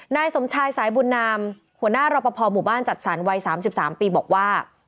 นายสมชายสายบุญนามหัวหน้ารอปภหมู่บ้านจัดสรรวัย๓๓ปีบอกว่า